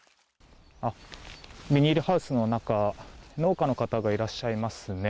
ビニールハウスの中農家の方がいらっしゃいますね。